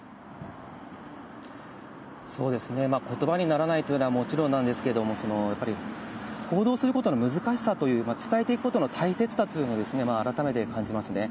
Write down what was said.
そうですね、ことばにならないというのはもちろんなんですけれども、やっぱり報道することの難しさという、伝えていくことの大切さというのを改めて感じますね。